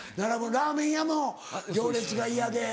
ラーメン屋も行列が嫌で。